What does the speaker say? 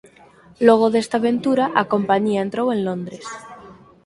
Logo desta aventura, a compañía entrou en Londres.